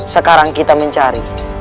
sekarang kita mencari